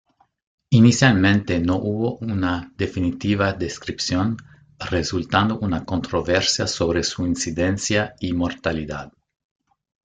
Inicialmente no hubo una definitiva descripción, resultando una controversia sobre su incidencia y mortalidad.